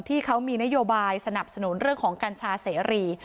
ที่เขามีนโยบายสนับสนุนเรื่องของกัญชาเสรี